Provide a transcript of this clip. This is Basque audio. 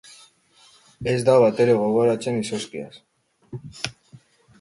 Ez da batere gogoratzen izozkiaz.